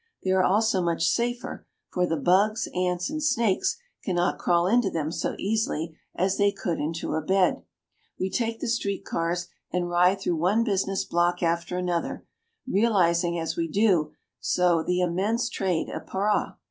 They are also much safer, for the bugs, ants, and snakes cannot crawl into them so easily as they could into a bed. We take the street cars and ride through one business block after another, realizing as we do so the immense trade of Para.